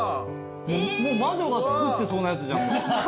魔女が作ってそうなやつじゃん。